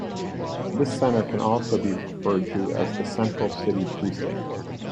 This centre can also be referred to as the Central City precinct.